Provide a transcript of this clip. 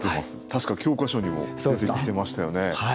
確か教科書にも出てきてましたよね。